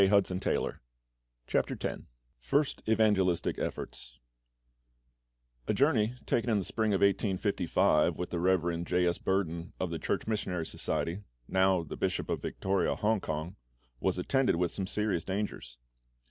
CHAPTER X FIRST EVANGELISTIC EFFORTS A JOURNEY taken in the spring of 1855 with the Rev. J. S. Burden of the Church Missionary Society (now the Bishop of Victoria, Hong kong) was attended with some serious dangers.